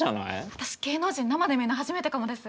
私芸能人生で見んの初めてかもです！